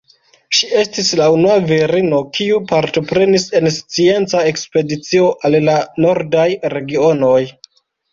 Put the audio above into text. Ŝi estis la unua virino kiu partoprenis en scienca ekspedicio al la nordaj regionoj.